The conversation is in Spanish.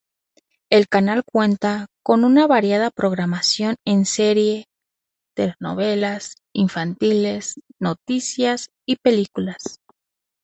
El canal cuenta con una variada programación en series, telenovelas, infantiles, noticias y películas.